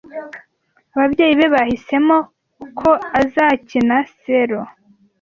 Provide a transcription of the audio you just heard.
Ababyeyi be bahisemo ko azakina selo.